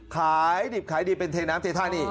ขายดิบเป็นเทน้ำเต็ดท่านี่